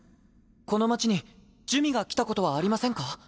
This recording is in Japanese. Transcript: この町に珠魅が来たことはありませんか？